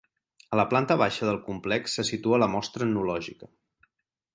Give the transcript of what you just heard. A la planta baixa del complex se situa la mostra etnològica.